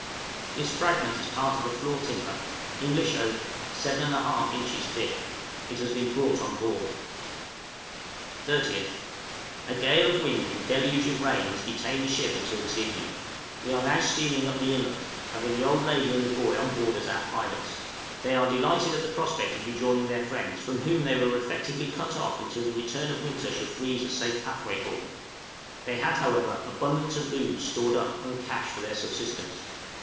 This fragment is part of a floor timber, English oak, 7 1/2 inches thick; it has been brought on board. {ASCEND POND'S INLET.} 30th. A gale of wind and deluge of rain has detained the ship until this evening; we are now steaming up the inlet, having the old lady and the boy on board as our pilots; they are delighted at the prospect of rejoining their friends, from whom they were effectually cut off until the return of winter should freeze a safe pathway for them; they had, however, abundance of looms stored up en câche for their subsistence.